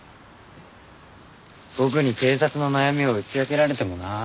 僕に警察の悩みを打ち明けられてもなあ。